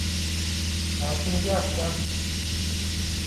หาซื้อยากนัก